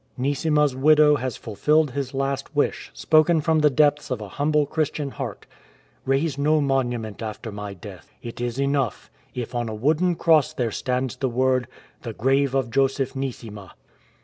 Neesima's widow has fulfilled his last wish, spoken from the depths of a humble Christian heart: "liaise no monu ment after my death. It is enough, if on a wooden cross there stands the word, 'The grave of Joseph Neesima.'